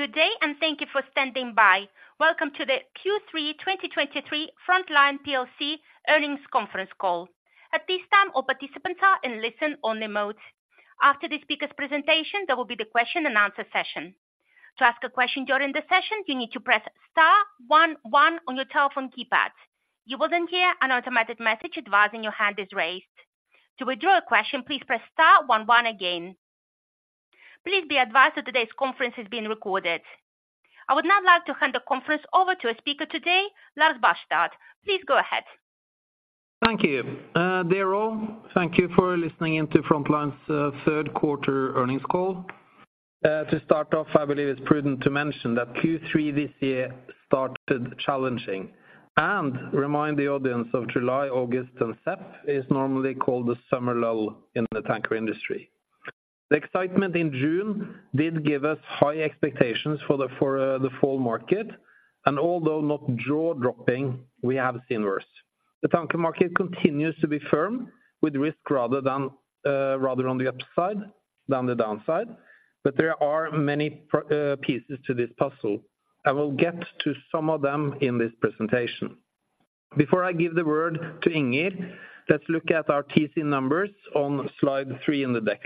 Good day, and thank you for standing by. Welcome to the Q3 2023 Frontline plc Earnings Conference Call. At this time, all participants are in listen only mode. After the speaker's presentation, there will be the question and answer session. To ask a question during the session, you need to press star one one on your telephone keypad. You will then hear an automatic message advising your hand is raised. To withdraw a question, please press star one one again. Please be advised that today's conference is being recorded. I would now like to hand the conference over to a speaker today, Lars Barstad. Please go ahead. Thank you. Dear all, thank you for listening in to Frontline's third quarter earnings call. To start off, I believe it's prudent to mention that Q3 this year started challenging, and remind the audience of July, August, and September, is normally called the summer lull in the tanker industry. The excitement in June did give us high expectations for the fall market, and although not jaw-dropping, we have seen worse. The tanker market continues to be firm, with risk rather on the upside than the downside, but there are many pieces to this puzzle. I will get to some of them in this presentation. Before I give the word to Inger, let's look at our TC numbers on slide three in the deck.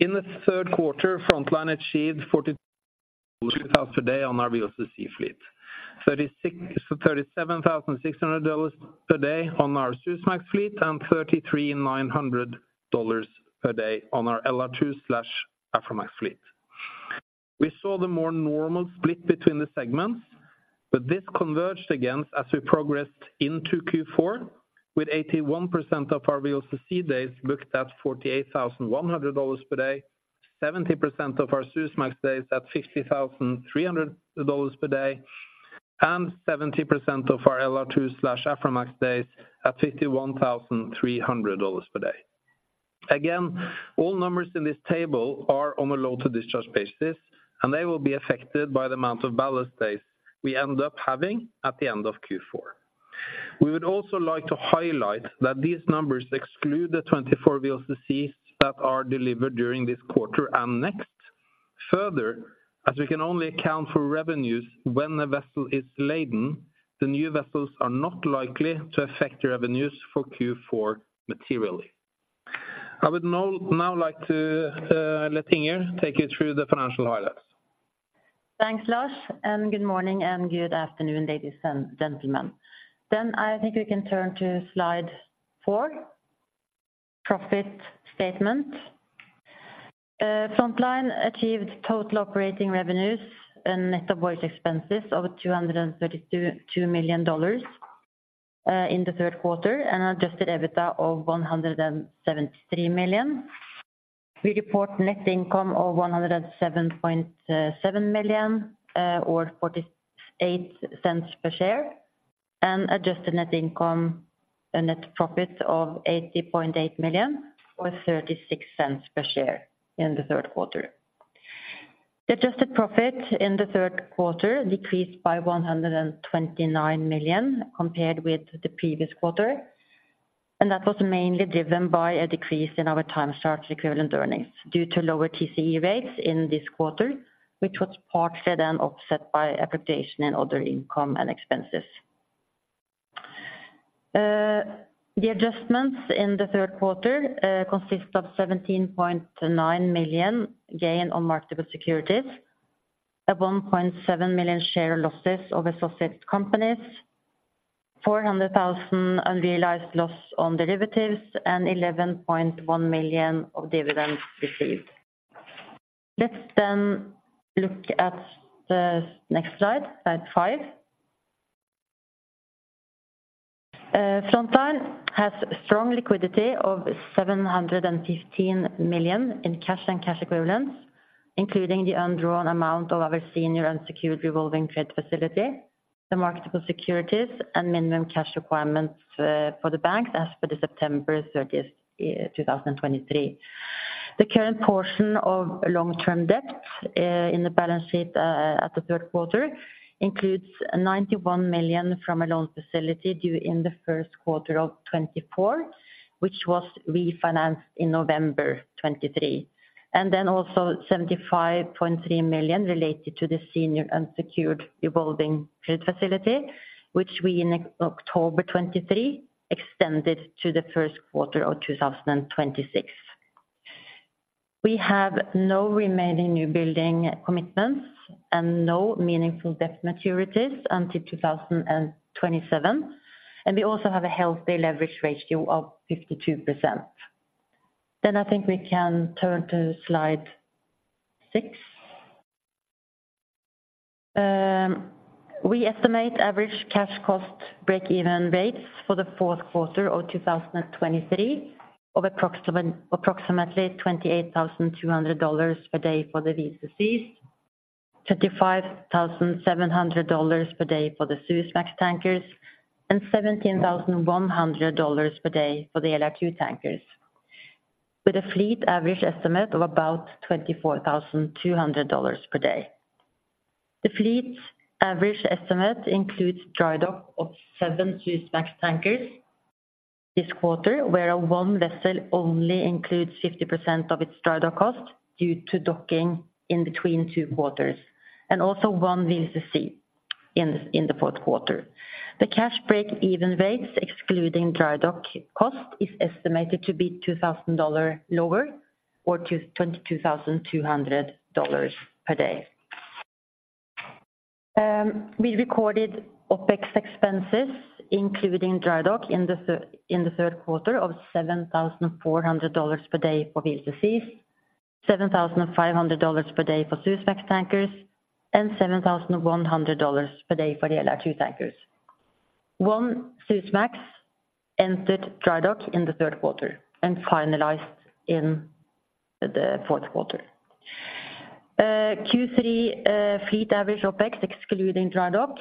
In the third quarter, Frontline achieved $42 per day on our VLCC fleet, $37,600 per day on our Suezmax fleet, and $33,900 per day on our LR2/Aframax fleet. We saw the more normal split between the segments, but this converged again as we progressed into Q4, with 81% of our VLCC days booked at $48,100 per day, 70% of our Suezmax days at $50,300 per day, and 70% of our LR2/Aframax days at $51,300 per day. Again, all numbers in this table are on a load to discharge basis, and they will be affected by the amount of ballast days we end up having at the end of Q4. We would also like to highlight that these numbers exclude the 24 VLCCs that are delivered during this quarter and next. Further, as we can only account for revenues when a vessel is laden, the new vessels are not likely to affect the revenues for Q4 materially. I would now like to let Inger take you through the financial highlights. Thanks, Lars, and good morning and good afternoon, ladies and gentlemen. Then I think we can turn to slide 4, profit statement. Frontline achieved total operating revenues and net of voyage expenses of $232 million in the third quarter, and adjusted EBITDA of $173 million. We report net income of $107.7 million, or $0.48 per share, and adjusted net income and net profit of $80.8 million, or $0.36 per share in the third quarter. The adjusted profit in the third quarter decreased by $129 million compared with the previous quarter, and that was mainly driven by a decrease in our time charter equivalent earnings due to lower TCE rates in this quarter, which was partly then offset by appreciation in other income and expenses. The adjustments in the third quarter consist of $17.9 million gain on marketable securities, a $1.7 million share of losses of associate companies, $400,000 unrealized loss on derivatives, and $11.1 million of dividends received. Let's then look at the next slide, slide five. Frontline has strong liquidity of $715 million in cash and cash equivalents, including the undrawn amount of our senior unsecured revolving credit facility, the marketable securities, and minimum cash requirements for the bank as per September 30, 2023. The current portion of long-term debt in the balance sheet at the third quarter includes $91 million from a loan facility due in the first quarter of 2024, which was refinanced in November 2023. Then also $75.3 million related to the senior unsecured revolving credit facility, which we in October 2023 extended to the first quarter of 2026. We have no remaining new building commitments and no meaningful debt maturities until 2027, and we also have a healthy leverage ratio of 52%. Then I think we can turn to slide 6. We estimate average cash cost break-even rates for the fourth quarter of 2023 of approximately $28,200 per day for the VLCCs, $35,700 per day for the Suezmax tankers, and $17,100 per day for the LR2 tankers, with a fleet average estimate of about $24,200 per day. The fleet average estimate includes dry dock of 7 Suezmax tankers this quarter, where one vessel only includes 50% of its dry dock cost due to docking in between two quarters, and also one VLCC in the fourth quarter. The cash break even rates, excluding dry dock cost, is estimated to be $2,000 lower or to $22,200 per day. We recorded OpEx expenses, including dry dock in the third quarter of $7,400 per day for VLCC, $7,500 per day for Suezmax tankers, and $7,100 per day for the LR2 tankers. One Suezmax entered dry dock in the third quarter and finalized in the fourth quarter. Q3 fleet average OpEx excluding dry dock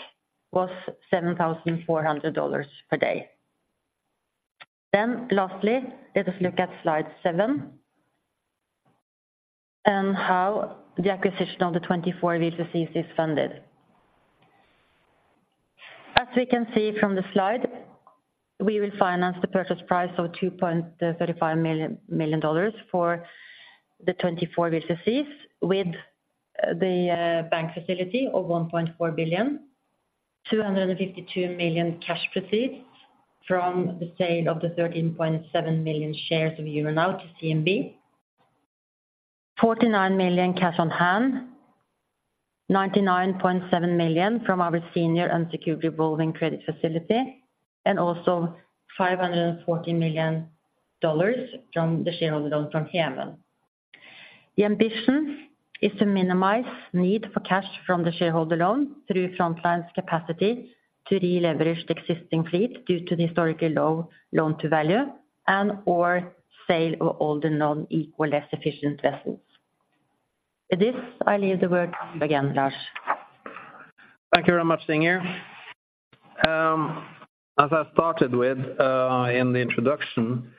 was $7,400 per day. Then lastly, let us look at slide seven, and how the acquisition of the 24 VLCCs is funded. As we can see from the slide, we will finance the purchase price of $2.35 billion for the 24 VLCCs with the bank facility of $1.4 billion, $252 million cash proceeds from the sale of the 13.7 million shares of Euronav to CMB, $49 million cash on hand, $99.7 million from our senior unsecured revolving credit facility, and also $540 million from the shareholder loan from Hemen. The ambition is to minimize need for cash from the shareholder loan through Frontline's capacity to re-leverage the existing fleet due to the historically low loan to value and or sale of all the non-fuel efficient vessels. With this, I leave the word again, Lars. Thank you very much, Inger. As I started with, in the introduction,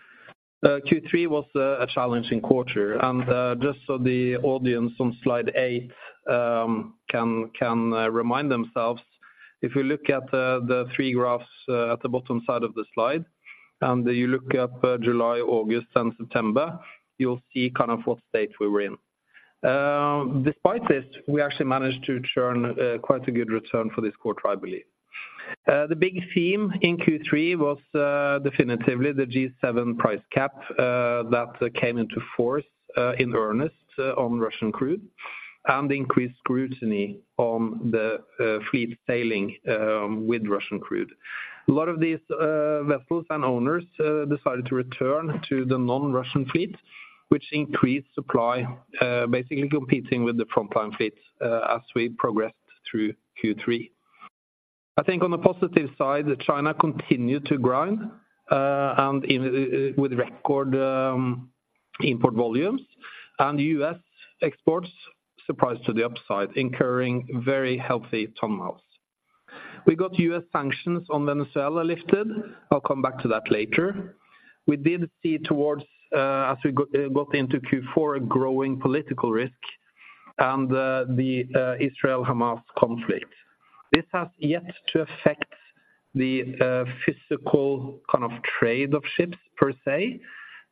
Q3 was a challenging quarter, and just so the audience on slide 8 can remind themselves, if you look at the three graphs at the bottom side of the slide, and you look at July, August, and September, you'll see kind of what state we were in. Despite this, we actually managed to turn quite a good return for this quarter, I believe. The big theme in Q3 was definitively the G7 Price Cap that came into force in earnest on Russian crude and increased scrutiny on the fleet sailing with Russian crude. A lot of these vessels and owners decided to return to the non-Russian fleet, which increased supply basically competing with the Frontline fleet as we progressed through Q3. I think on the positive side, China continued to grind and in with record import volumes, and U.S. exports surprised to the upside, incurring very healthy ton miles. We got U.S. sanctions on Venezuela lifted. I'll come back to that later. We did see towards as we got into Q4, a growing political risk and the Israel-Hamas conflict. This has yet to affect the physical kind of trade of ships per se,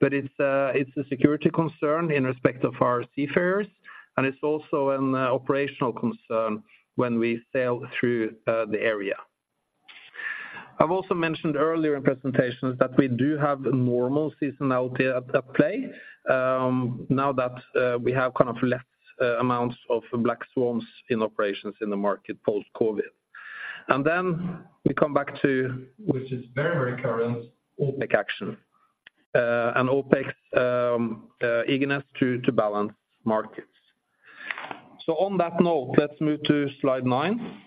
but it's a security concern in respect of our seafarers, and it's also an operational concern when we sail through the area. I've also mentioned earlier in presentations that we do have normal seasonality at play, now that we have kind of less amounts of black swans in operations in the market post-COVID. And then we come back to, which is very, very current, OPEC action, and OPEC's eagerness to balance markets. So on that note, let's move to slide 9.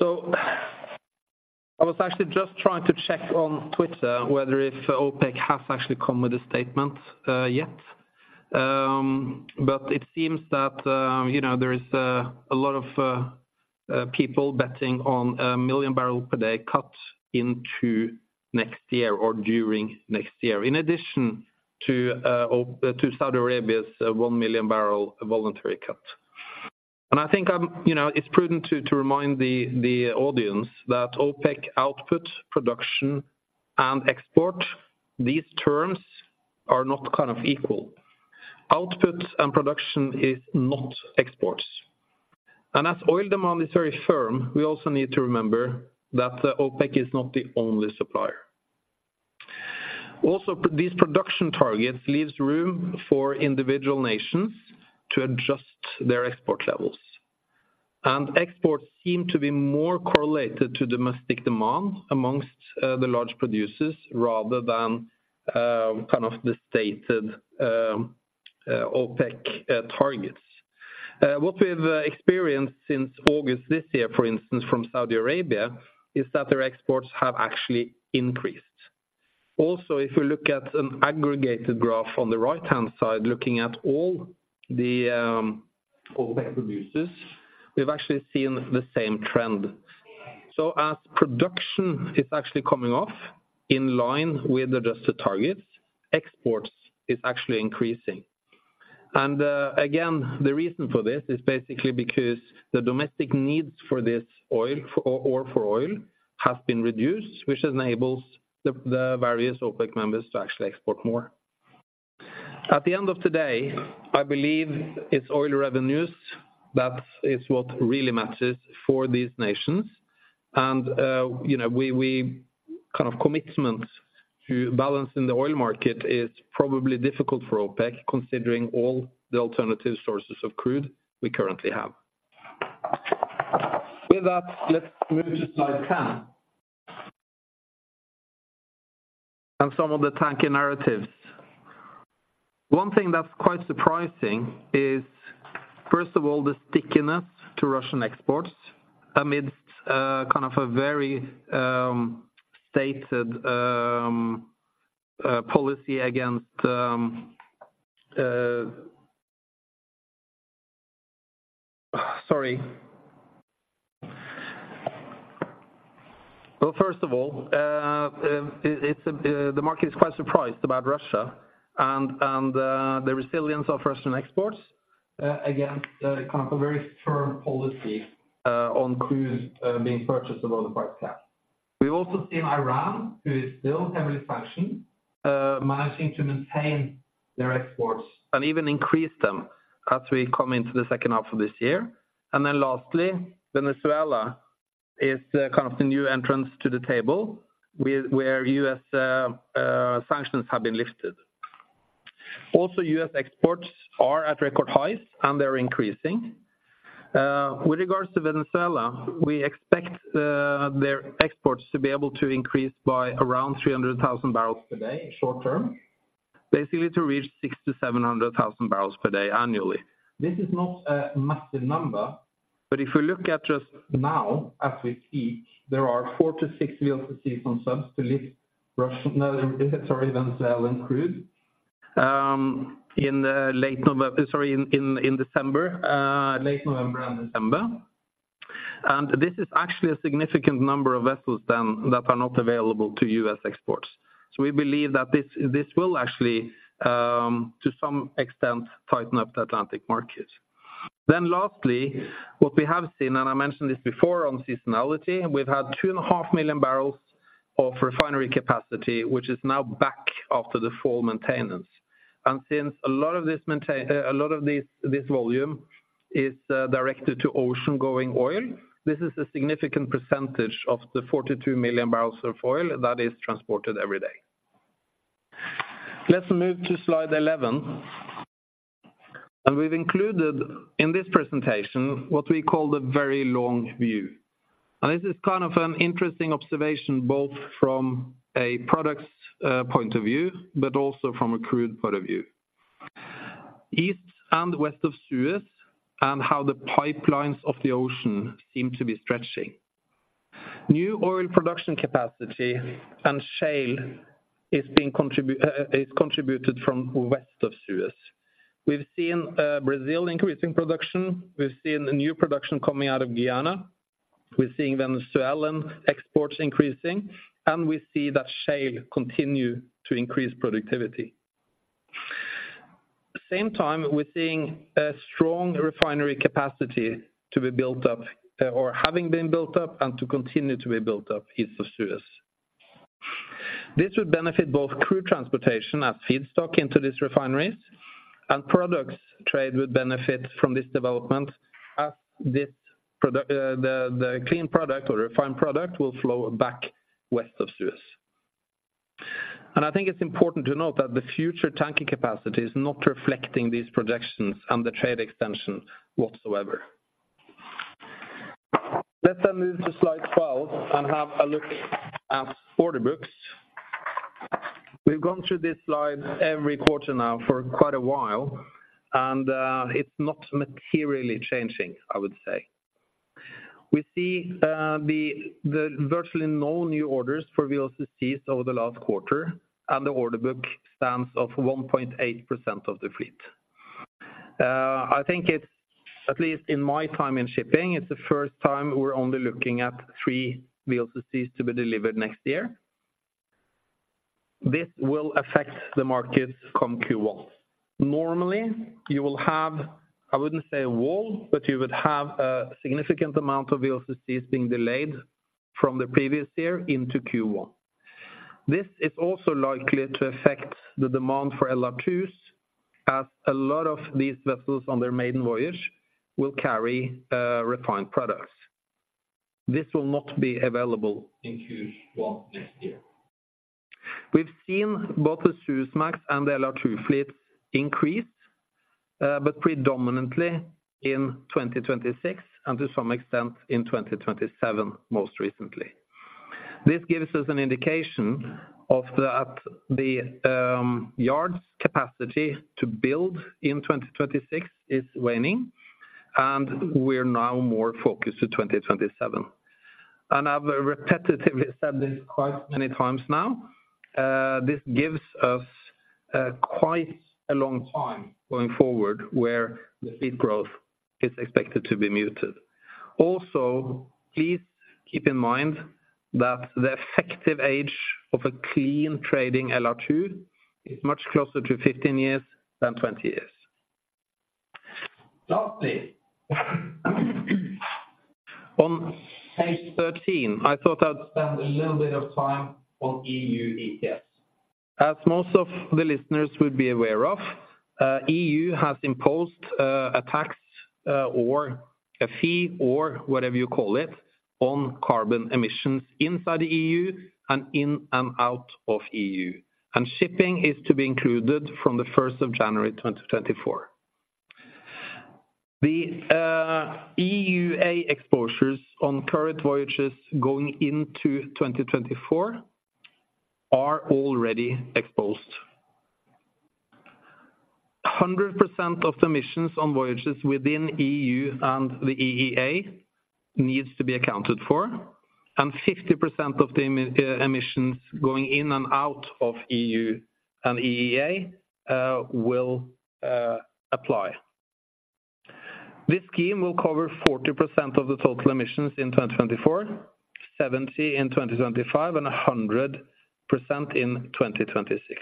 So I was actually just trying to check on Twitter whether if OPEC has actually come with a statement yet. But it seems that, you know, there is a lot of people betting on a 1 million barrel per day cut into next year or during next year, in addition to to Saudi Arabia's 1 million barrel voluntary cut. I think, you know, it's prudent to remind the audience that OPEC output, production, and export, these terms are not kind of equal. Output and production is not exports. As oil demand is very firm, we also need to remember that OPEC is not the only supplier. Also, these production targets leaves room for individual nations to adjust their export levels. And exports seem to be more correlated to domestic demand among the large producers rather than kind of the stated OPEC targets. What we've experienced since August this year, for instance, from Saudi Arabia, is that their exports have actually increased. Also, if we look at an aggregated graph on the right-hand side, looking at all the OPEC producers, we've actually seen the same trend. So as production is actually coming off in line with the adjusted targets, exports is actually increasing. And again, the reason for this is basically because the domestic needs for this oil, or for oil, has been reduced, which enables the various OPEC members to actually export more. At the end of the day, I believe it's oil revenues that is what really matters for these nations. And you know, we kind of commitment to balance in the oil market is probably difficult for OPEC, considering all the alternative sources of crude we currently have. With that, let's move to slide 10. And some of the tanker narratives. One thing that's quite surprising is, first of all, the stickiness to Russian exports amidst kind of a very stated policy against... Sorry. Well, first of all, the market is quite surprised about Russia and the resilience of Russian exports against kind of a very firm policy on crude being purchased above the price cap. We've also seen Iran, who is still heavily sanctioned, managing to maintain their exports and even increase them as we come into the second half of this year. And then lastly, Venezuela is kind of the new entrance to the table, where U.S. sanctions have been lifted. Also, U.S. exports are at record highs, and they're increasing. With regards to Venezuela, we expect their exports to be able to increase by around 300,000 barrels per day, short term, basically to reach 600,000 to 700,000 barrels per day annually. This is not a massive number, but if you look at just now, as we speak, there are 4 to 6 VLCCs on subs to lift Russian, sorry, Venezuelan crude, in late November and December. And this is actually a significant number of vessels then, that are not available to U.S. exports. So we believe that this will actually, to some extent, tighten up the Atlantic market. Then lastly, what we have seen, and I mentioned this before on seasonality, we've had 2.5 million barrels of refinery capacity, which is now back after the fall maintenance. And since a lot of this volume is directed to ocean-going oil, this is a significant percentage of the 42 million barrels of oil that is transported every day. Let's move to slide 11. We've included in this presentation what we call the very long view. This is kind of an interesting observation, both from a products point of view, but also from a crude point of view. East and west of Suez, and how the pipelines of the ocean seem to be stretching. New oil production capacity and shale is being contributed from west of Suez. We've seen Brazil increasing production, we've seen new production coming out of Guyana, we're seeing Venezuelan exports increasing, and we see that shale continue to increase productivity. Same time, we're seeing a strong refinery capacity to be built up, or having been built up and to continue to be built up east of Suez. This would benefit both crude transportation as feedstock into these refineries, and products trade would benefit from this development as this, the clean product or refined product will flow back west of Suez. And I think it's important to note that the future tanker capacity is not reflecting these projections and the trade extension whatsoever. Let us move to slide 12 and have a look at order books. We've gone through this slide every quarter now for quite a while, and, it's not materially changing, I would say. We see virtually no new orders for VLCCs over the last quarter, and the order book stands of 1.8% of the fleet. I think it's, at least in my time in shipping, it's the first time we're only looking at 3 VLCCs to be delivered next year. This will affect the markets come Q1. Normally, you will have, I wouldn't say a wall, but you would have a significant amount of VLCCs being delayed from the previous year into Q1. This is also likely to affect the demand for LR2s, as a lot of these vessels on their maiden voyage will carry refined products. This will not be available in Q1 next year. We've seen both the Suezmax and the LR2 fleets increase but predominantly in 2026, and to some extent in 2027, most recently. This gives us an indication of that, the yards capacity to build in 2026 is waning, and we're now more focused to 2027. I've repetitively said this quite many times now this gives us quite a long time going forward where the fleet growth is expected to be muted. Also, please keep in mind that the effective age of a clean trading LR2 is much closer to 15 years than 20 years. Lastly, on page 13, I thought I'd spend a little bit of time on EU ETS. As most of the listeners would be aware of, EU has imposed a tax or a fee, or whatever you call it, on carbon emissions inside the EU and in and out of EU, and shipping is to be included from the first of January, 2024. The EUA exposures on current voyages going into 2024 are already exposed. 100% of the emissions on voyages within EU and the EEA needs to be accounted for, and 50% of the emissions going in and out of EU and EEA will apply. This scheme will cover 40% of the total emissions in 2024, 70% in 2025, and 100% in 2026.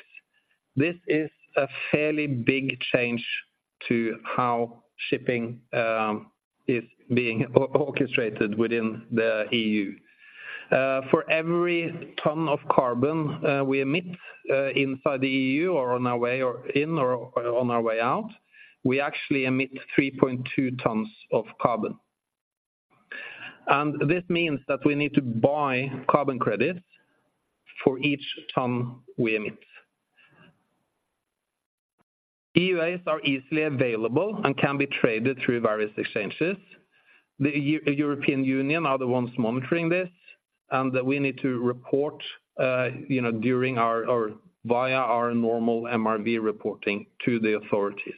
This is a fairly big change to how shipping is being orchestrated within the EU. For every ton of carbon we emit inside the EU or on our way or in or, or on our way out, we actually emit 3.2 tons of carbon. And this means that we need to buy carbon credits for each ton we emit. EUAs are easily available and can be traded through various exchanges. The European Union are the ones monitoring this, and we need to report, you know, during our or via our normal MRV reporting to the authorities.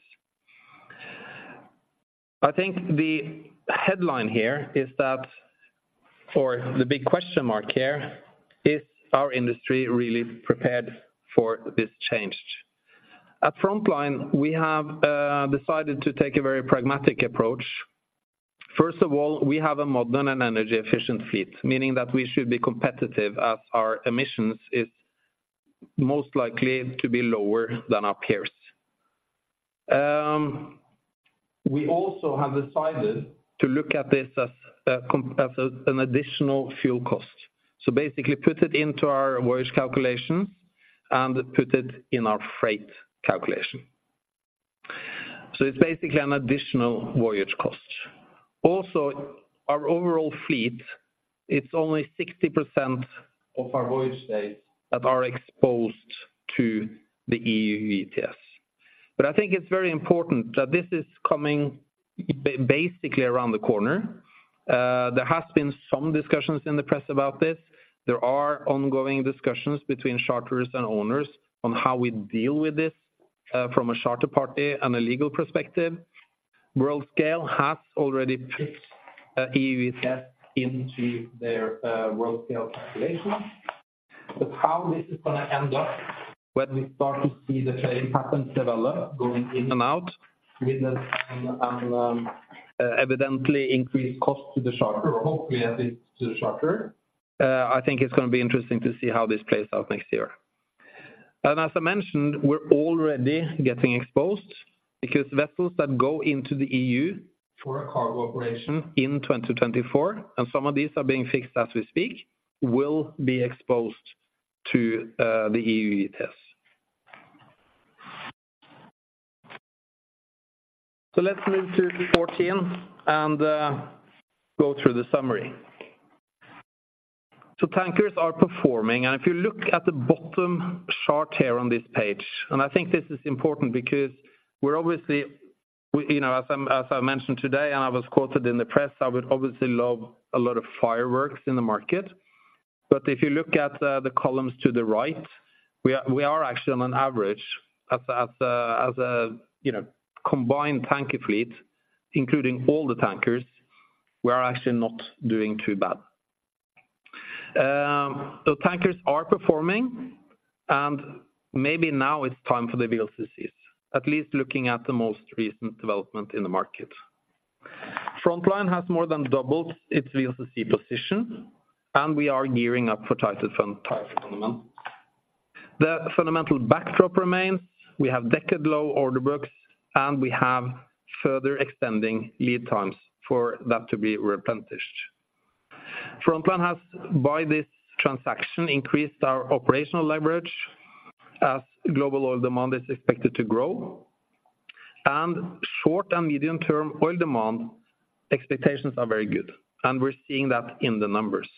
I think the headline here is that for the big question mark here, is our industry really prepared for this change? At Frontline, we have decided to take a very pragmatic approach. First of all, we have a modern and energy-efficient fleet, meaning that we should be competitive as our emissions is most likely to be lower than our peers. We also have decided to look at this as an additional fuel cost. So basically put it into our voyage calculations and put it in our freight calculation. So it's basically an additional voyage cost. Also, our overall fleet, it's only 60% of our voyage days that are exposed to the EU ETS. But I think it's very important that this is coming basically around the corner. There has been some discussions in the press about this. There are ongoing discussions between charterers and owners on how we deal with this, from a charter party and a legal perspective. Worldscale has already picked EU ETS into their Worldscale calculations. But how this is gonna end up when we start to see the same patterns develop, going in and out, with an and, evidently increased cost to the charter, or hopefully, I think, to the charter, I think it's gonna be interesting to see how this plays out next year. And as I mentioned, we're already getting exposed because vessels that go into the EU for a cargo operation in 2024, and some of these are being fixed as we speak, will be exposed to the EU ETS. So let's move to 14 and go through the summary. So tankers are performing, and if you look at the bottom chart here on this page, and I think this is important because we're obviously, you know, as I mentioned today, and I was quoted in the press, I would obviously love a lot of fireworks in the market. But if you look at the columns to the right, we are actually on average, you know, combined tanker fleet, including all the tankers, we are actually not doing too bad. So tankers are performing, and maybe now it's time for the VLCCs, at least looking at the most recent development in the market. Frontline has more than doubled its VLCC position, and we are gearing up for tighter fundamental. The fundamental backdrop remains. We have decade low order books, and we have further extending lead times for that to be replenished. Frontline has, by this transaction, increased our operational leverage as global oil demand is expected to grow, and short and medium-term oil demand expectations are very good, and we're seeing that in the numbers.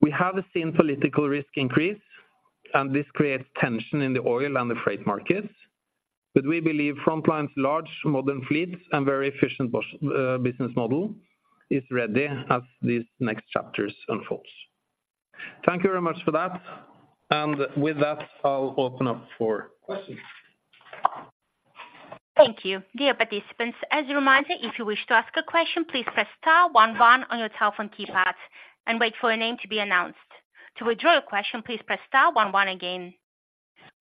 We have seen political risk increase, and this creates tension in the oil and the freight markets, but we believe Frontline's large modern fleets and very efficient business model is ready as these next chapters unfolds. Thank you very much for that. With that, I'll open up for questions.... Thank you. Dear participants, as a reminder, if you wish to ask a question, please press star one one on your telephone keypad and wait for your name to be announced. To withdraw your question, please press star one one again.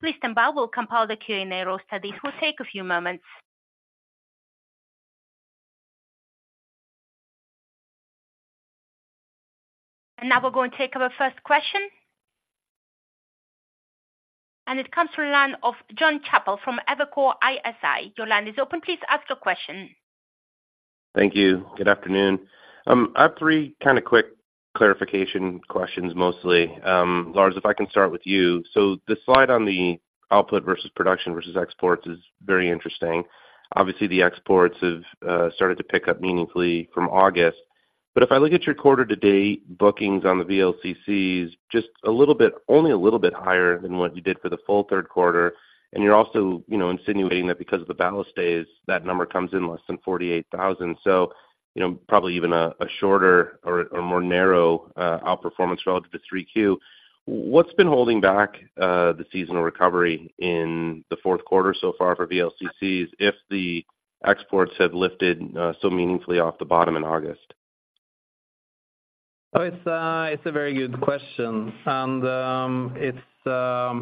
Please stand by, we'll compile the Q&A roster. This will take a few moments. Now we're going to take our first question. It comes from the line of Jon Chappell from Evercore ISI. Your line is open. Please ask your question. Thank you. Good afternoon. I have three kind of quick clarification questions, mostly. Lars, if I can start with you. So the slide on the output versus production versus exports is very interesting. Obviously, the exports have started to pick up meaningfully from August. But if I look at your quarter to date, bookings on the VLCCs just a little bit, only a little bit higher than what you did for the full third quarter, and you're also, you know, insinuating that because of the ballast days, that number comes in less than 48,000. So you know, probably even a shorter or more narrow outperformance relative to 3Q. What's been holding back the seasonal recovery in the fourth quarter so far for VLCCs, if the exports have lifted so meaningfully off the bottom in August? Oh, it's a very good question. It's a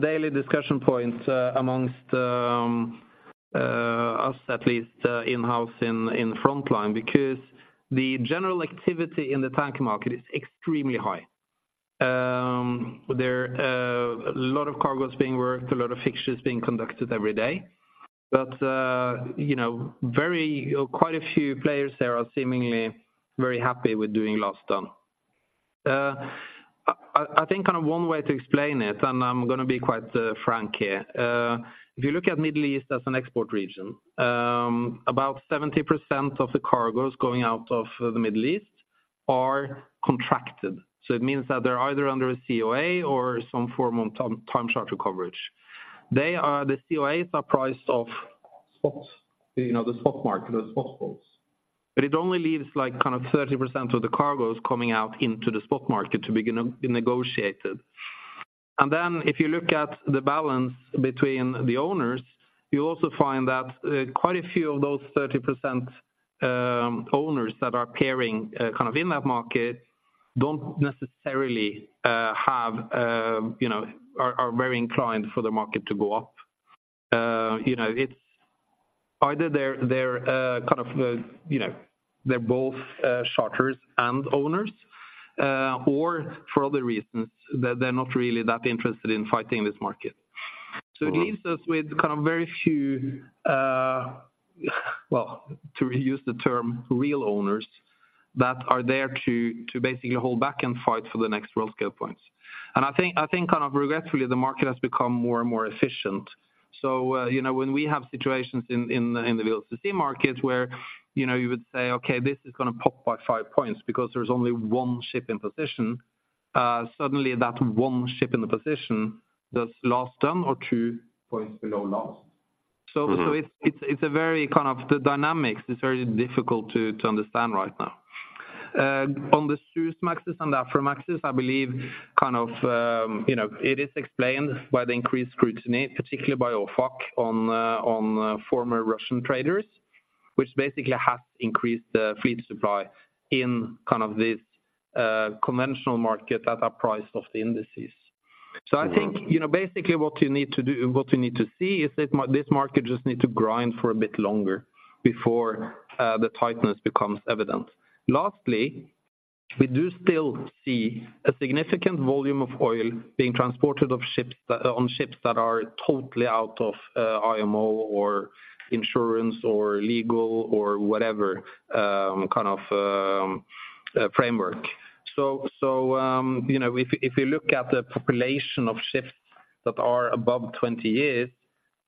daily discussion point, you know, among us at least in-house in Frontline, because the general activity in the tanker market is extremely high. There are a lot of cargos being worked, a lot of fixtures being conducted every day. But, you know, quite a few players there are seemingly very happy with doing last done. I think kind of one way to explain it, and I'm gonna be quite frank here. If you look at Middle East as an export region, about 70% of the cargos going out of the Middle East are contracted. So it means that they're either under a COA or some form of time charter coverage. The COAs are priced off spots, you know, the spot market, the spot spots. But it only leaves, like, kind of 30% of the cargos coming out into the spot market to be negotiated. And then if you look at the balance between the owners, you also find that quite a few of those 30%, owners that are appearing kind of in that market, don't necessarily have, you know, are very inclined for the market to go up. You know, it's either they're kind of, you know, they're both charters and owners, or for other reasons, they're not really that interested in fighting this market. So it leaves us with kind of very few, well, to use the term, "real owners," that are there to basically hold back and fight for the next Worldscale points. And I think, I think kind of regretfully, the market has become more and more efficient. So, you know, when we have situations in the VLCC market where, you know, you would say, "Okay, this is gonna pop by five points because there's only one ship in position." Suddenly that one ship in the position does last done or two points below last. Mm-hmm. So it's a very kind of the dynamics, it's very difficult to understand right now. On the Suezmaxes and the Aframaxes, I believe kind of, you know, it is explained by the increased scrutiny, particularly by OFAC on former Russian traders, which basically has increased the fleet supply in kind of this conventional market at a price of the indices. Mm-hmm. So I think, you know, basically what you need to see is this market just need to grind for a bit longer before the tightness becomes evident. Lastly, we do still see a significant volume of oil being transported on ships that are totally out of IMO or insurance or legal or whatever kind of framework. So, you know, if you look at the population of ships that are above 20 years,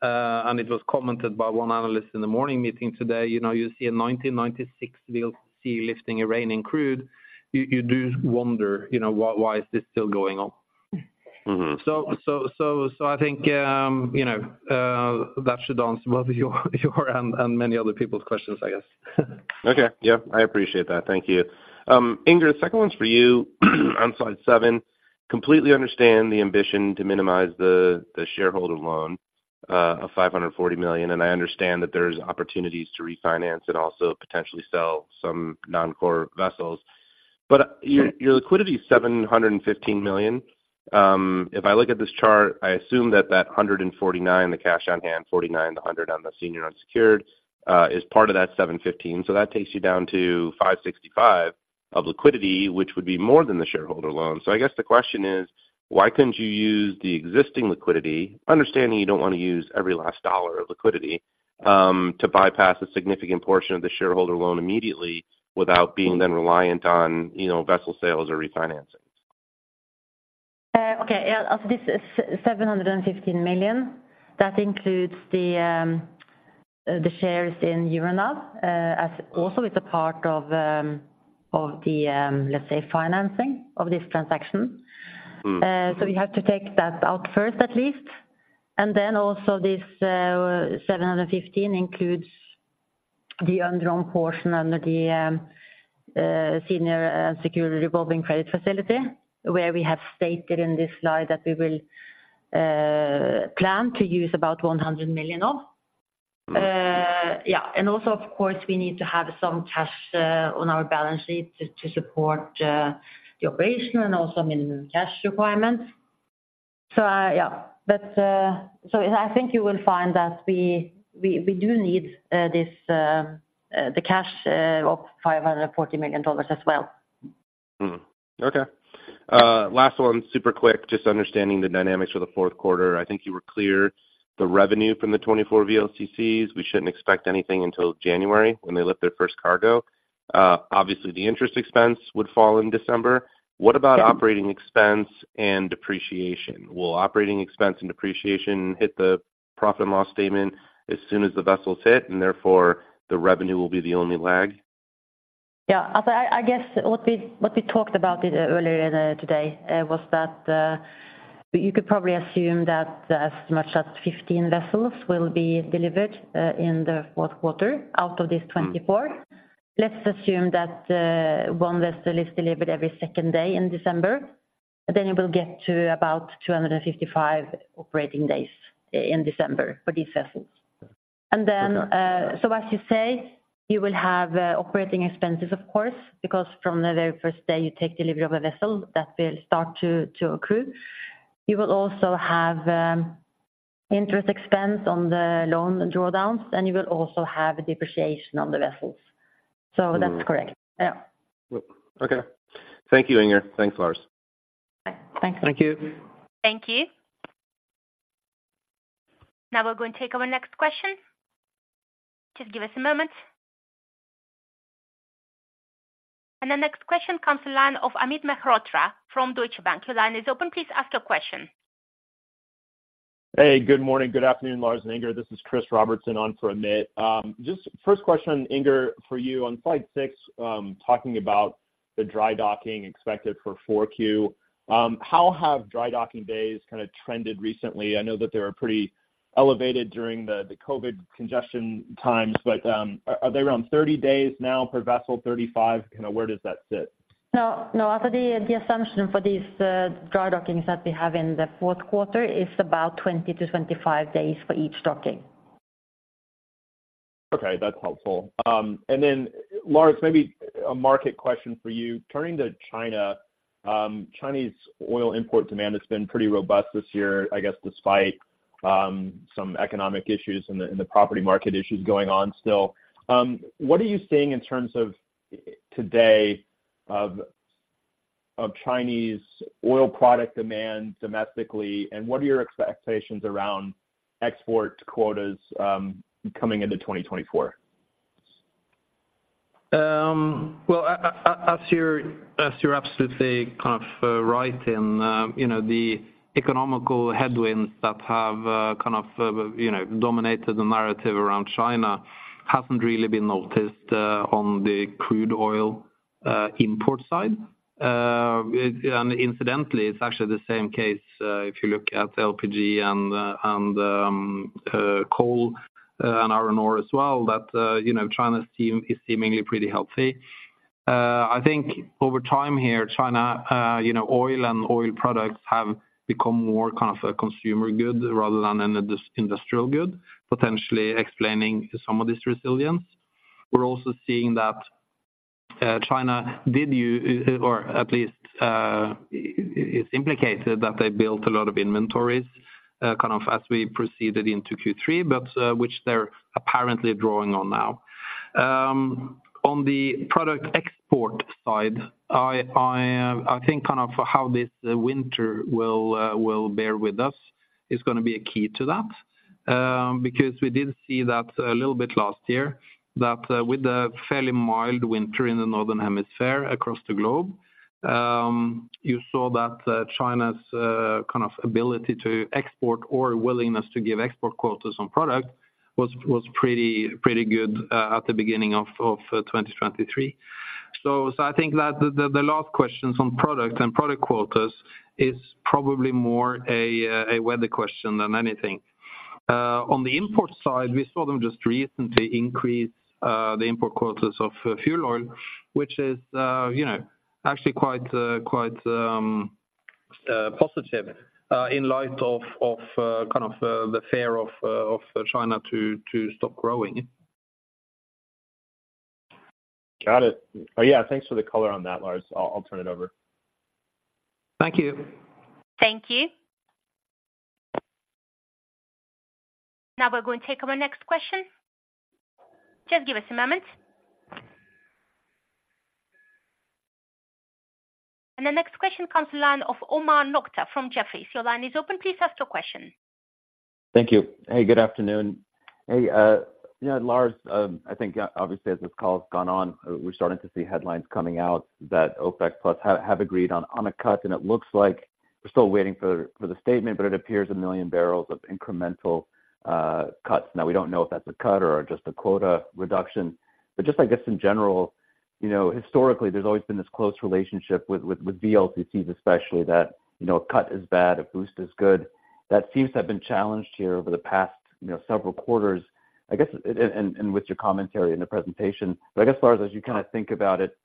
and it was commented by one analyst in the morning meeting today, you know, you see a 1996 VLCC lifting Iranian crude, you do wonder, you know, why is this still going on? Mm-hmm. So, I think, you know, that should answer both your and many other people's questions, I guess. Okay. Yeah, I appreciate that. Thank you. Inger, second one's for you, on slide seven. Completely understand the ambition to minimize the shareholder loan of $540 million, and I understand that there's opportunities to refinance and also potentially sell some non-core vessels. But your liquidity is $715 million. If I look at this chart, I assume that that $149, the cash on hand, $49, the $100 on the senior unsecured, is part of that $715. So that takes you down to $565 of liquidity, which would be more than the shareholder loan. I guess the question is: why couldn't you use the existing liquidity, understanding you don't want to use every last dollar of liquidity, to bypass a significant portion of the shareholder loan immediately without being then reliant on, you know, vessel sales or refinancings? Okay. Yeah, as this is $715 million, that includes the shares in Euronav, as also it's a part of the financing of this transaction. Mm-hmm. So we have to take that out first, at least. And then also this 715 includes the undrawn portion under the senior security revolving credit facility, where we have stated in this slide that we will plan to use about $100 million of. And also, of course, we need to have some cash on our balance sheet to support the operation and also minimum cash requirements. So I think you will find that we do need the cash of $540 million as well. Mm. Okay. Last one, super quick, just understanding the dynamics for the fourth quarter. I think you were clear, the revenue from the 24 VLCCs, we shouldn't expect anything until January, when they lift their first cargo. Obviously, the interest expense would fall in December. What about operating expense and depreciation? Will operating expense and depreciation hit the profit and loss statement as soon as the vessels hit, and therefore, the revenue will be the only lag? Yeah. I guess what we talked about earlier today was that you could probably assume that as much as 15 vessels will be delivered in the fourth quarter out of this 24. Let's assume that one vessel is delivered every second day in December, then you will get to about 255 operating days in December for these vessels. So as you say, you will have operating expenses, of course, because from the very first day you take delivery of a vessel, that will start to accrue. You will also have interest expense on the loan drawdowns, and you will also have depreciation on the vessels. So that's correct. Yeah. Okay. Thank you, Inger. Thanks, Lars. Bye. Thanks. Thank you. Thank you. Now we're going to take our next question. Just give us a moment. The next question comes from the line of Amit Mehrotra from Deutsche Bank. Your line is open. Please ask your question. Hey, good morning. Good afternoon, Lars and Inger. This is Chris Robertson on for Amit. Just first question, Inger, for you. On slide 6, talking about the dry docking expected for 4Q. How have dry docking days kind of trended recently? I know that they were pretty elevated during the COVID congestion times, but are they around 30 days now per vessel, 35? You know, where does that sit? No, no, as the assumption for these dry dockings that we have in the fourth quarter is about 20 to 25 days for each docking. Okay, that's helpful. And then, Lars, maybe a market question for you. Turning to China, Chinese oil import demand has been pretty robust this year, I guess, despite some economic issues and the property market issues going on still. What are you seeing in terms of today of Chinese oil product demand domestically, and what are your expectations around export quotas coming into 2024? Well, as you're absolutely kind of right in, you know, the economic headwinds that have kind of, you know, dominated the narrative around China hasn't really been noticed on the crude oil import side. And incidentally, it's actually the same case if you look at LPG and the and coal and iron ore as well, that you know, China is seemingly pretty healthy. I think over time here, China you know, oil and oil products have become more kind of a consumer good rather than an industrial good, potentially explaining some of this resilience. We're also seeing that China did u-... or at least, it's implicated, that they built a lot of inventories, kind of as we proceeded into Q3, but, which they're apparently drawing on now. On the product export side, I think kind of how this winter will bear with us is gonna be a key to that. Because we did see that a little bit last year, that with the fairly mild winter in the northern hemisphere across the globe, you saw that, China's kind of ability to export or willingness to give export quotas on product was pretty good, at the beginning of 2023. So I think that the last questions on product and product quotas is probably more a weather question than anything. On the import side, we saw them just recently increase the import quotas of fuel oil, which is, you know, actually quite quite positive, in light of of kind of the fear of of China to to stop growing. Got it. Oh, yeah, thanks for the color on that, Lars. I'll turn it over. Thank you. Thank you. Now we're going to take our next question. Just give us a moment. And the next question comes from the line of Omar Nokta from Jefferies. Your line is open. Please ask your question. Thank you. Hey, good afternoon. Hey, you know, Lars, I think obviously, as this call has gone on, we're starting to see headlines coming out that OPEC+ have agreed on a cut, and it looks like we're still waiting for the statement, but it appears 1 million barrels of incremental cuts. Now, we don't know if that's a cut or just a quota reduction, but just I guess, in general-... you know, historically, there's always been this close relationship with VLCCs especially, that, you know, a cut is bad, a boost is good. That seems to have been challenged here over the past, you know, several quarters, I guess, and with your commentary in the presentation. But I guess, Lars, as you kind of think about it,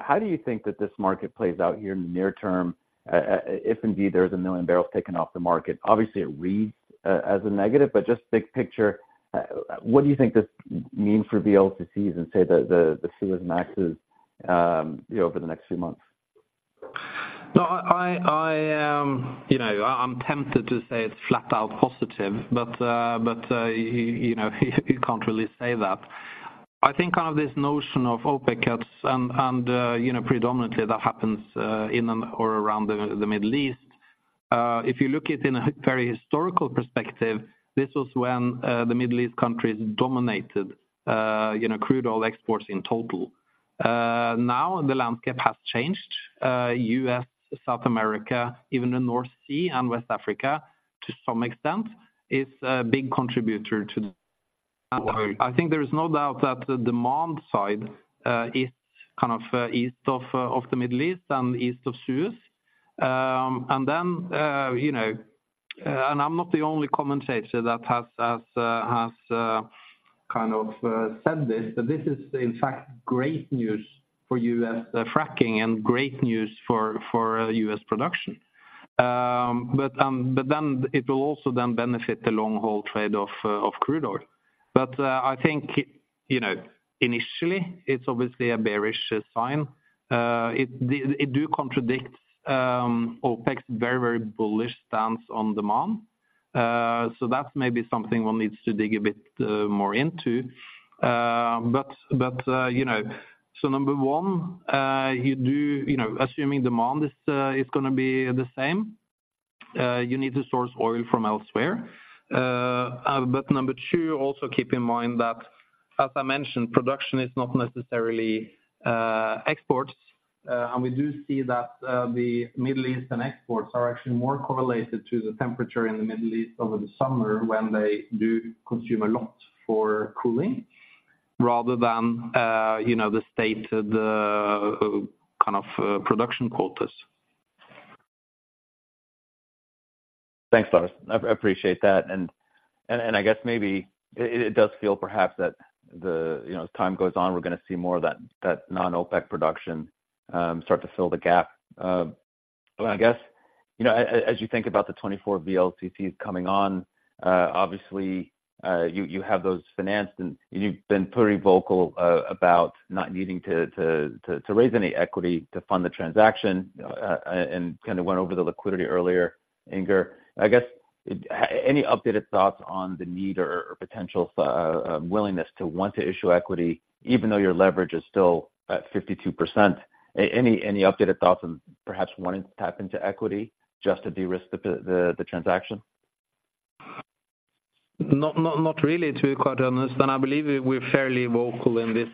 how do you think that this market plays out here in the near term, if indeed there is 1 million barrels taken off the market? Obviously, it reads as a negative, but just big picture, what do you think this means for VLCCs and, say, the Suezmaxes, you know, over the next few months? No, I, you know, I'm tempted to say it's flat out positive, but, but, you know, you can't really say that. I think kind of this notion of OPEC cuts and, you know, predominantly that happens, in and or around the Middle East. If you look at in a very historical perspective, this was when, the Middle East countries dominated, you know, crude oil exports in total. Now, the landscape has changed. U.S., South America, even the North Sea and West Africa, to some extent, is a big contributor to the... I think there is no doubt that the demand side, is kind of east of the Middle East and east of Suez. And then, you know, and I'm not the only commentator that has kind of said this, but this is in fact great news for U.S. fracking and great news for U.S. production. But then it will also then benefit the long-haul trade of crude oil. But I think, you know, initially, it's obviously a bearish sign. It do contradicts OPEC's very, very bullish stance on demand. So that's maybe something one needs to dig a bit more into. But you know, so number one, you know, assuming demand is gonna be the same, you need to source oil from elsewhere. But number two, also keep in mind that, as I mentioned, production is not necessarily exports. And we do see that the Middle East and exports are actually more correlated to the temperature in the Middle East over the summer, when they do consume a lot for cooling, rather than you know the stated kind of production quotas. Thanks, Lars. I appreciate that. And I guess maybe it does feel perhaps that the. You know, as time goes on, we're gonna see more of that non-OPEC production start to fill the gap. I guess, you know, as you think about the 24 VLCCs coming on, obviously, you have those financed, and you've been pretty vocal about not needing to raise any equity to fund the transaction, and kind of went over the liquidity earlier, Inger. I guess, any updated thoughts on the need or potential willingness to want to issue equity, even though your leverage is still at 52%? Any updated thoughts on perhaps wanting to tap into equity just to de-risk the transaction? Not, not, not really, to be quite honest. I believe we're fairly vocal in this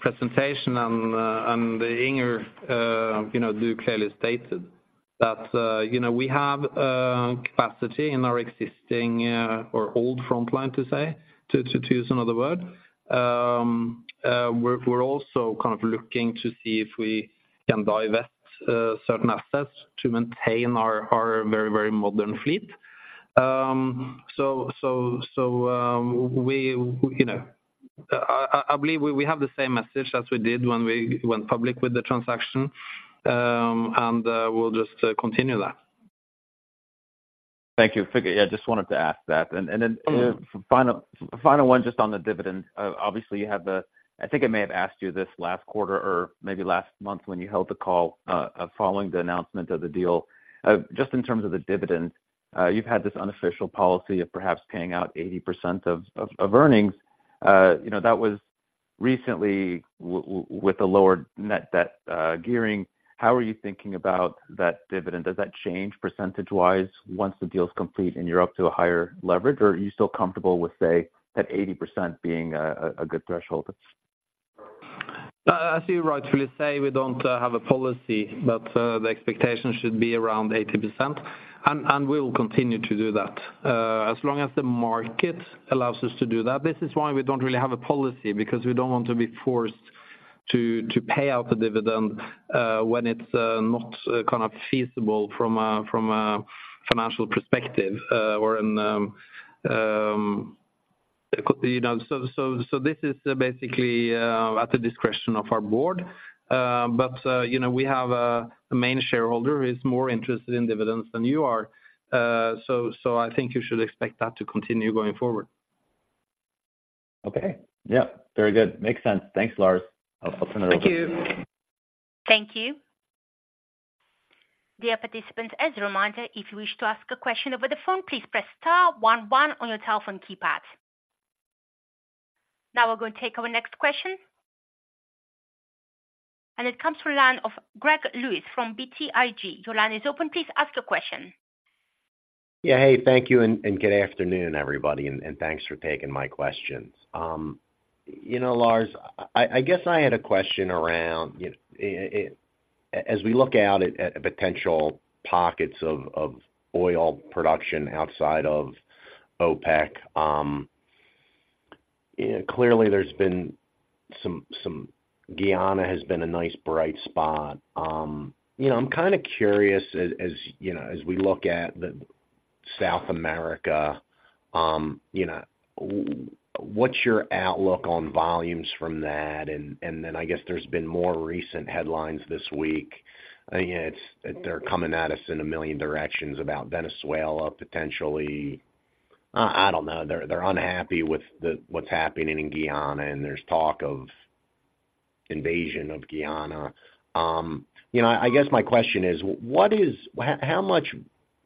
presentation. And Inger, you know, do clearly stated that, you know, we have capacity in our existing or old Frontline, to say, to use another word. We're also kind of looking to see if we can divest certain assets to maintain our very, very modern fleet. So, we, you know, I believe we have the same message as we did when we went public with the transaction. And we'll just continue that. Thank you. Yeah, I just wanted to ask that. And then final one, just on the dividend. Obviously, you have the—I think I may have asked you this last quarter or maybe last month when you held the call, following the announcement of the deal. Just in terms of the dividend, you've had this unofficial policy of perhaps paying out 80% of earnings. You know, that was recently with a lower net debt gearing. How are you thinking about that dividend? Does that change percentage-wise once the deal is complete, and you're up to a higher leverage, or are you still comfortable with, say, that 80% being a good threshold? As you rightfully say, we don't have a policy, but the expectation should be around 80%, and we will continue to do that as long as the market allows us to do that. This is why we don't really have a policy, because we don't want to be forced to pay out the dividend when it's not kind of feasible from a financial perspective, or in you know. This is basically at the discretion of our board. But you know, we have a main shareholder who is more interested in dividends than you are. I think you should expect that to continue going forward. Okay. Yeah, very good. Makes sense. Thanks, Lars. I'll turn it over- Thank you. Thank you. Dear participants, as a reminder, if you wish to ask a question over the phone, please press star one one on your telephone keypad. Now we're going to take our next question, and it comes from line of Greg Lewis from BTIG. Your line is open. Please ask your question. Yeah. Hey, thank you, and good afternoon, everybody, and thanks for taking my questions. You know, Lars, I guess I had a question around, you know, as we look out at potential pockets of oil production outside of OPEC. Clearly, there's been some. Guyana has been a nice bright spot. You know, I'm kind of curious as, you know, as we look at South America, you know, what's your outlook on volumes from that? And then I guess there's been more recent headlines this week. Again, it's. They're coming at us in a million directions about Venezuela, potentially. I don't know, they're unhappy with what's happening in Guyana, and there's talk of invasion of Guyana. You know, I guess my question is: what is—how much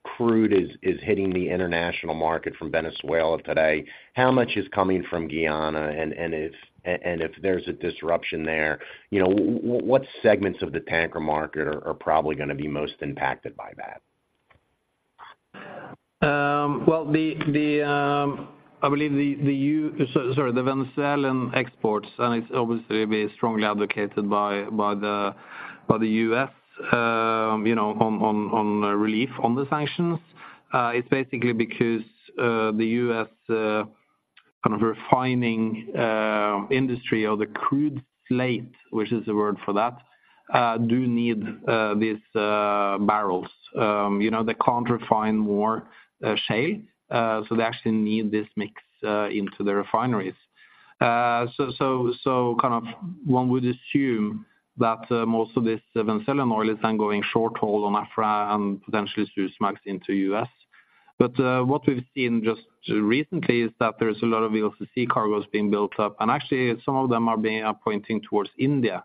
crude is hitting the international market from Venezuela today? How much is coming from Guyana? And if there's a disruption there, you know, what segments of the tanker market are probably gonna be most impacted by that? Well, the Venezuelan exports, and it's obviously strongly advocated by the U.S., you know, on relief on the sanctions. It's basically because the U.S. kind of refining industry or the crude slate, which is the word for that, do need these barrels. You know, they can't refine more shale, so they actually need this mix into the refineries. So kind of one would assume that most of this Venezuelan oil is then going short haul on Aframax and potentially through Suezmaxes into U.S. But what we've seen just recently is that there's a lot of VLCC cargoes being built up, and actually some of them are pointing towards India.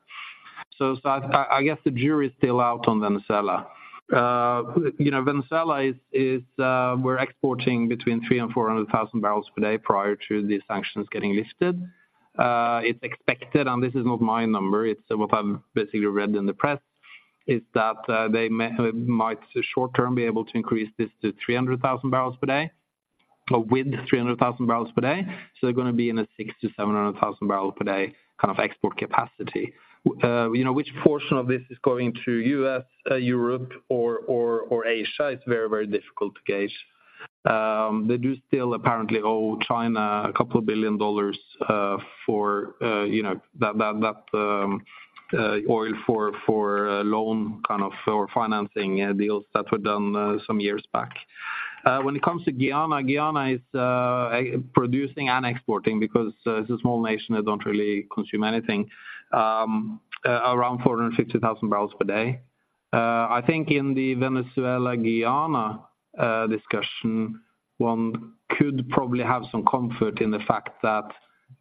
I guess the jury is still out on Venezuela. You know, Venezuela is, we're exporting between 300,000 to 400,000 barrels per day prior to the sanctions getting lifted. It's expected, and this is not my number, it's what I've basically read in the press, is that they may might short-term be able to increase this to 300,000 barrels per day, or with 300,000 barrels per day. So they're gonna be in a 600,000 to 700,000 barrels per day, kind of, export capacity. You know, which portion of this is going to U.S., Europe or Asia is very, very difficult to gauge. They do still apparently owe China $2 billion, for you know, that oil for loan kind of or financing deals that were done some years back. When it comes to Guyana, Guyana is producing and exporting because it's a small nation, they don't really consume anything, around 450,000 barrels per day. I think in the Venezuela-Guyana discussion, one could probably have some comfort in the fact that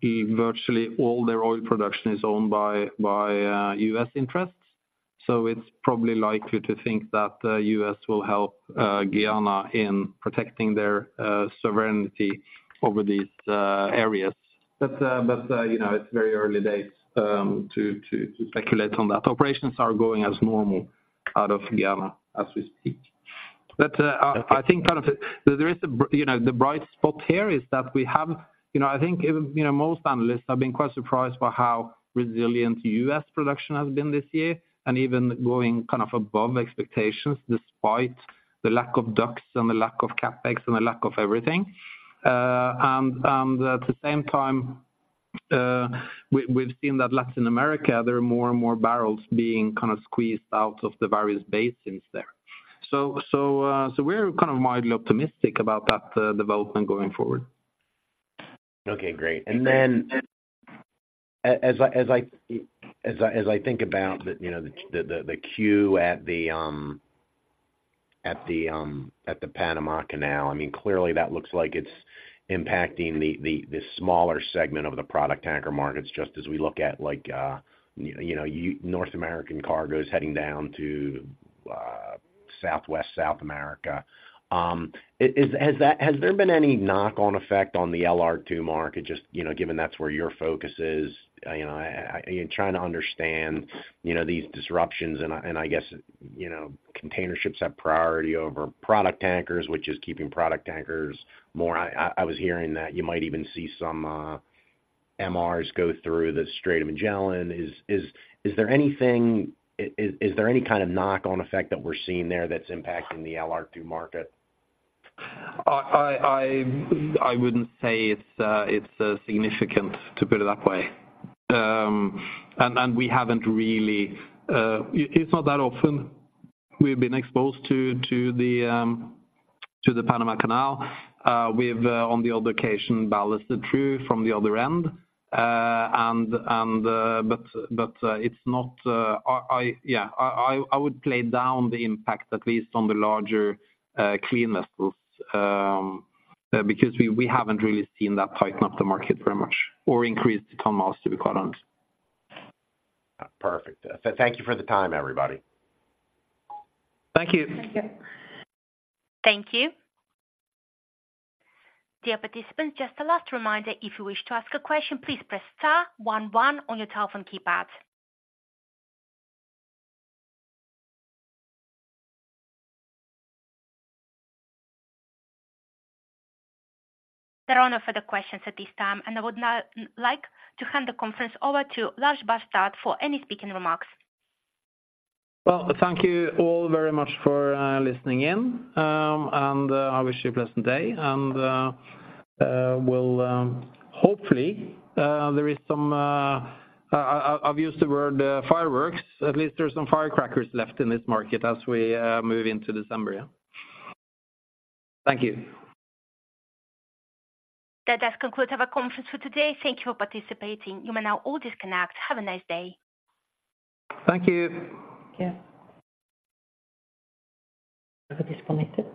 virtually all their oil production is owned by U.S. interests, so it's probably likely to think that the U.S. will help Guyana in protecting their sovereignty over these areas. But you know, it's very early days to speculate on that. Operations are going as normal out of Guyana as we speak. But, I think kind of there is a you know, the bright spot here is that we have. You know, I think, you know, most analysts have been quite surprised by how resilient US production has been this year, and even going kind of above expectations, despite the lack of DUCs and the lack of CapEx and the lack of everything. And at the same time, we've seen that Latin America, there are more and more barrels being kind of squeezed out of the various basins there. So, we're kind of mildly optimistic about that development going forward. Okay, great. And then as I think about the, you know, the queue at the Panama Canal, I mean, clearly that looks like it's impacting the smaller segment of the product tanker markets, just as we look at like, you know, North American cargos heading down to Southwest South America. Has there been any knock on effect on the LR2 market, just, you know, given that's where your focus is? You know, trying to understand, you know, these disruptions and I guess, you know, container ships have priority over product tankers, which is keeping product tankers more. I was hearing that you might even see some MRs go through the Strait of Magellan. Is there anything... Is there any kind of knock-on effect that we're seeing there that's impacting the LR2 market? I wouldn't say it's significant, to put it that way. And we haven't really... It's not that often we've been exposed to the Panama Canal. We've, on the other occasion, ballasted through from the other end. But it's not... Yeah, I would play down the impact, at least on the larger clean vessels, because we haven't really seen that tighten up the market very much or increase the ton miles, to be quite honest. Perfect. So thank you for the time, everybody. Thank you. Thank you. Thank you. Dear participants, just a last reminder, if you wish to ask a question, please press star one one on your telephone keypad. There are no further questions at this time, and I would now like to hand the conference over to Lars Barstad for any speaking remarks. Well, thank you all very much for listening in. And I wish you a pleasant day. Well, hopefully there is some. I've used the word fireworks. At least there's some firecrackers left in this market as we move into December. Yeah. Thank you. That does conclude our conference for today. Thank you for participating. You may now all disconnect. Have a nice day. Thank you. Yeah. Have disconnected.